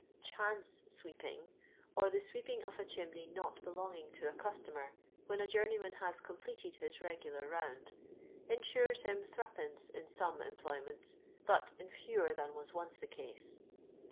'• Chance sweep ing," or the sweeping of a chimney not belonging to a customer, when a journeyman luis completed his regijlar round, ensures him '6tL in some employ m'.'nts, but in fewer than was once the case.